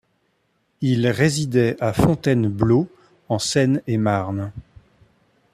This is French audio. Il résidait à Fontainebleau, en Seine-et-Marne.